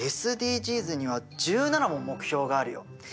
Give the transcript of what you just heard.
ＳＤＧｓには１７も目標があるよ。